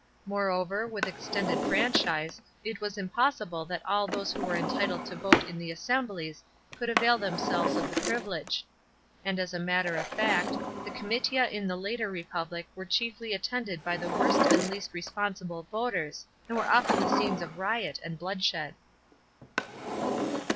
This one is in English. Moreover, with ext< nd d franchise, it was impossible that all those who weie entitled to vote in the assemblies could avail themselves of the privilege; and, as a matter of fact, the comitia in the later republic \\ere chiefly attended by the worst and least responsible voters, and were often the scenes of riot and bloodshed.